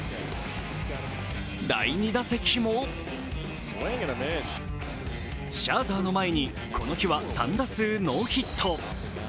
第２打席もシャーザーの前にこの日は３打数ノーヒット。